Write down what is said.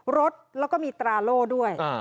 รถแล้วก็มีตราโล่ด้วย